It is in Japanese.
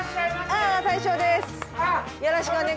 あー、大将です。